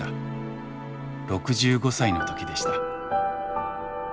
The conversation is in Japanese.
６５歳の時でした。